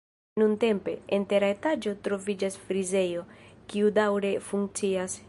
Nuntempe, en tera etaĝo troviĝas frizejo, kiu daŭre funkcias.